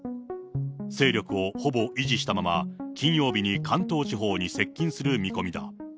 勢力をほぼ維持したまま金曜日に関東地方に接近する見込みだ。